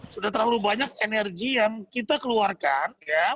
sudah terlalu banyak energi yang kita keluarkan ya